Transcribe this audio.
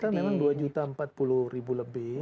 penduduk kita memang dua juta empat puluh ribu lebih